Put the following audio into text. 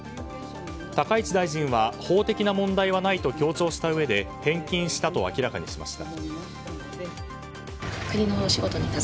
高市大臣は法的な問題はないと強調したうえで返金したと明らかにしました。